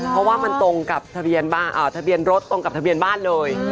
เพราะว่ามันตรงกับทะเบียนรถตรงกับทะเบียนบ้านเลย